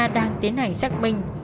đang tiến hành xác minh